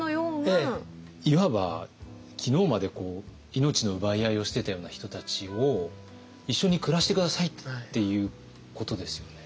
いわば昨日まで命の奪い合いをしてたような人たちを一緒に暮らして下さいっていうことですよね。